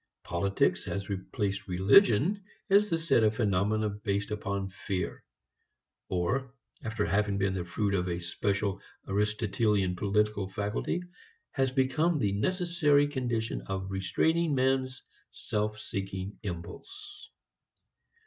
Politics has replaced religion as the set of phenomena based upon fear; or after having been the fruit of a special Aristotelian political faculty, has become the necessary condition of restraining man's self seeking impulse.